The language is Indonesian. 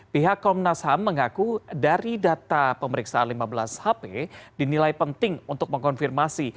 pihak komnas ham mengaku dari data pemeriksaan lima belas hp dinilai penting untuk mengkonfirmasi